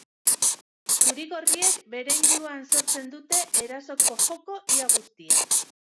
Zuri-gorriek bere inguruan sortzen dute erasoko joko ia guztia.